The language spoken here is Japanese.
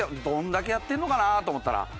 どれだけやってるのかなと思ったら。